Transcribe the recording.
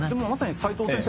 齋藤先生